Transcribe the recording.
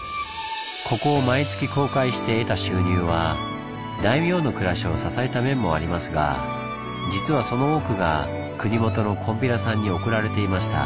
ここを毎月公開して得た収入は大名の暮らしを支えた面もありますが実はその多くが国元のこんぴらさんに送られていました。